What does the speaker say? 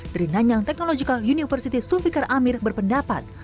dari nanyang technological university sufikar amir berpendapat